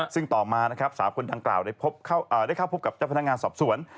ซึ่งต่อมานะครับสาวคนดังกล่าวได้เข้าพบกับเจ้าพนักงานสอบสวน